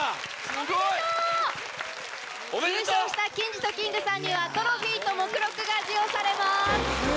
すごい！優勝したＫＩＮＺとＫ−ｉｎｇさんにはトロフィーと目録が授与されます。